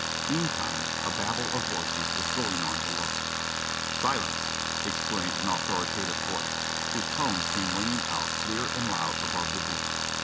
'' Meantime a babble of voices was going on below. "Silence!" exclaimed an authoritative voice, whose tones came ringing out clear and loud above the din.